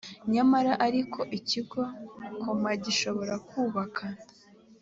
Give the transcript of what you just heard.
nyamara ariko ikigo cma gishobora kubaka